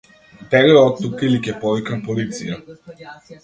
Бегај оттука или ќе повикам полиција.